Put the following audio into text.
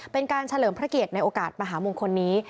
เป็นการเฉลิมพระเกียรติในโอกาสมหามงคลนี้